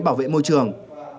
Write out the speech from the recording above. bảo vệ môi trường